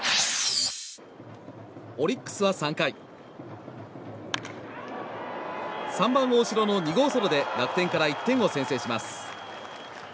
オリックスは３回３番、大城の２号ソロで楽天から１点を先制します。